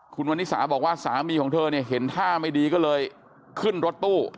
คุณวันนิสาบอกว่าสามีของเธอเนี่ยเห็นท่าไม่ดีก็เลยขึ้นรถตู้